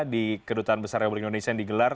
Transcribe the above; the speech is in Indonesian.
di kedutaan besar republik indonesia yang digelar